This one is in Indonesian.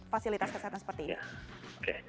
fasilitas kesehatan seperti ini